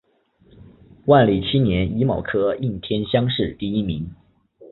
万历七年己卯科应天乡试第一名。